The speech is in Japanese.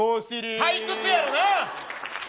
退屈やろな。